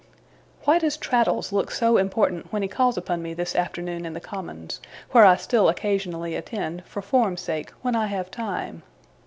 Why does Traddles look so important when he calls upon me this afternoon in the Commons where I still occasionally attend, for form's sake, when I have time?